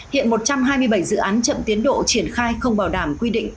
hiện một trăm hai mươi bảy dự án chậm tiến độ triển khai không bảo đảm quy định